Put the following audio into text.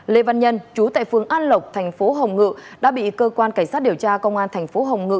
lê văn nhân chú tại phường an lộc tp hồng ngự đã bị cơ quan cảnh sát điều tra công an tp hồng ngự